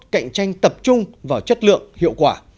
cạnh tranh tập trung vào chất lượng hiệu quả